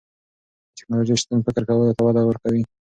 د تکنالوژۍ شتون فکر کولو ته وده ورکوي.